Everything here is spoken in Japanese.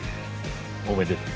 おめでとう。